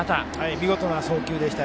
見事な送球でした。